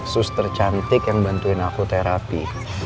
suster cantik yang bantuin aku terapi